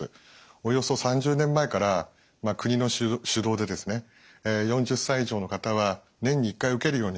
およそ３０年前から国の主導でですね４０歳以上の方は年に１回受けるようにすすめられてきました。